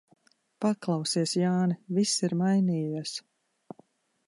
Paklausies, Jāni, viss ir mainījies.